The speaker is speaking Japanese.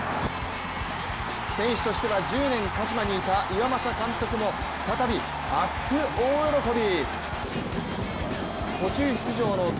選手としては１０年鹿島にいた岩政監督も再び熱く大喜び。